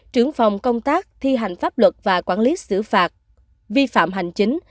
trưởng phòng công tác thi hành pháp luật và quản lý xử phạt vi phạm hành chính